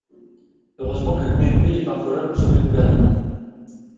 Heureusement que l’UMP est parfois là pour sauver le Gouvernement